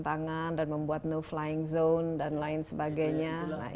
tangan dan membuat no flying zone dan lain sebagainya